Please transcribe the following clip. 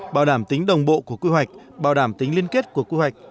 bảo đảm tính đồng bộ của quy hoạch bảo đảm tính liên kết của quy hoạch